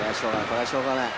これはしょうがない。